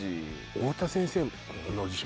多田先生